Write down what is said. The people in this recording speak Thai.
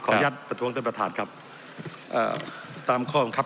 อนุญาตประท้วงท่านประธานครับตามข้อบังคับ